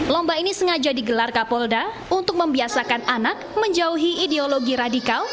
lomba ini sengaja digelar kapolda untuk membiasakan anak menjauhi ideologi radikal